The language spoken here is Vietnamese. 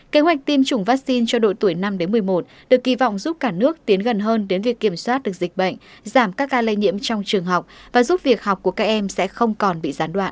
kế hoạch tiêm chủng vaccine cho độ tuổi năm một mươi một được kỳ vọng giúp cả nước tiến gần hơn đến việc kiểm soát được dịch bệnh giảm các ca lây nhiễm trong trường học và giúp việc học của các em sẽ không còn bị gián đoạn